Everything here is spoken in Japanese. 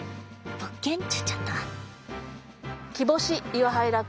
物件っちゅっちゃった。